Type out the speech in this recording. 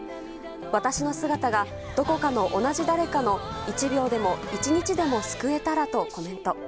私の姿がどこかの同じ誰かの１秒でも１日でも救えたらとコメント。